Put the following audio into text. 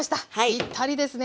ぴったりですね。